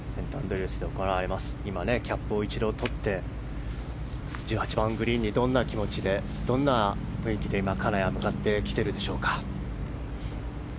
今、キャップを一度とって１８番グリーンにどんな気持ちでどんな雰囲気で金谷は向かってきているでしょうか。